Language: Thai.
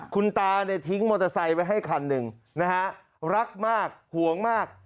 คุณตาทิ้งมอเตอร์ไซต์ไว้ให้คันนึงรักมากห่วงมาก